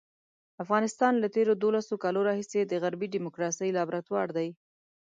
افغانستان له تېرو دولسو کالو راهیسې د غربي ډیموکراسۍ لابراتوار دی.